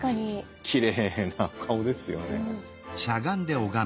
きれいなお顔ですよね。